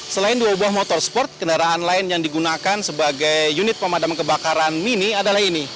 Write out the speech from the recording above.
selain dua buah motorsport kendaraan lain yang digunakan sebagai unit pemadam kebakaran mini adalah ini